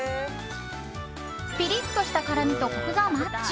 ピリッとした辛みとコクがマッチ。